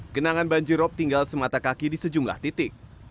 genangan banjirop tinggal semata kaki di sejumlah titik